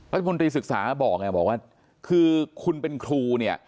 รัฐมนตรีศึกษาบอกว่าคือคุณเป็นครู